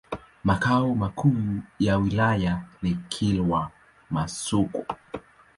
Makao makuu ya wilaya ni Kilwa Masoko.